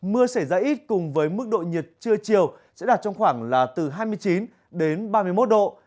mưa xảy ra ít cùng với mức độ nhiệt trưa chiều sẽ đạt trong khoảng là từ hai mươi chín đến ba mươi một độ